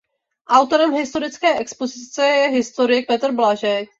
Autorem historické expozice je historik Petr Blažek.